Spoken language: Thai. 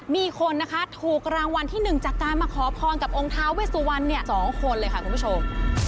มีคนนะคะถูกรางวัลที่๑จากการมาขอพรกับองค์ท้าเวสวัน๒คนเลยค่ะคุณผู้ชม